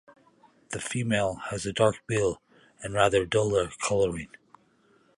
The female has a dark bill and rather duller colouring.